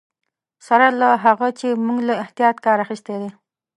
سره له هغه چې موږ له احتیاط کار اخیستی دی.